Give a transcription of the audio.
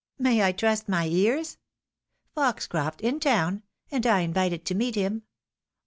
May I trust my ears ? Foxcroft in town, and I invited to meet him.